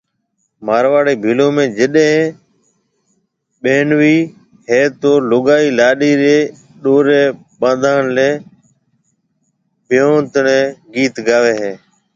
مارواڙي ڀيلون ۾ جڏي بيھونهوئي هي تو لُگائي لاڏي ري ڏوري ٻانڌڻ لي بيھونتوڻي گيت گاوي هي